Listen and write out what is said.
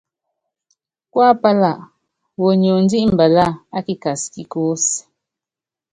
Kuapála woniondí mbalá a kikas ki kúsí.